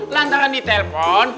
lantaran di telpon